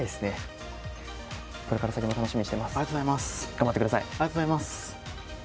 頑張ってください。